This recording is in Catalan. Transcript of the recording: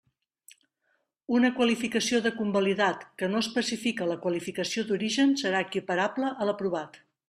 Una qualificació de convalidat que no especifique la qualificació d'origen serà equiparable a l'aprovat.